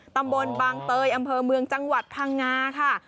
ตำบลบางเตยอำเภอเมืองจังหวัดพังงาค่ะ